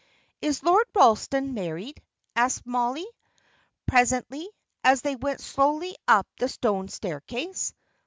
"Is Lord Ralston married?" asked Mollie, presently, as they went slowly up the stone staircase.